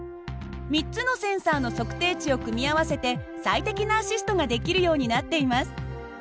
３つのセンサーの測定値を組み合わせて最適なアシストができるようになっています。